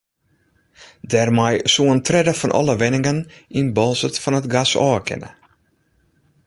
Dêrmei soe in tredde fan alle wenningen yn Boalsert fan it gas ôf kinne.